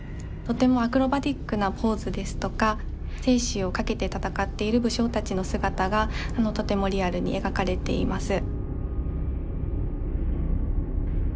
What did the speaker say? とてもアクロバティックなポーズですとか生死をかけて戦っている武将たちの姿がとてもリアルに描かれています。